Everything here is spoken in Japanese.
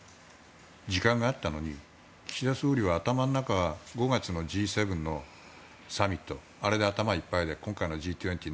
時間があったのに岸田総理は頭の中が５月のＧ７サミットあれで頭いっぱいで今回のＧ２０